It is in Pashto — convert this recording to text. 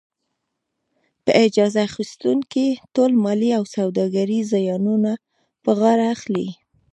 په اجاره اخیستونکی ټول مالي او سوداګریز زیانونه په غاړه اخلي.